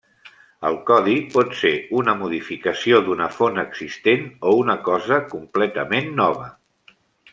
El codi pot ser una modificació d'una font existent o una cosa completament nova.